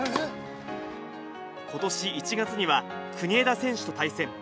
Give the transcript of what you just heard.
ことし１月には、国枝選手と対戦。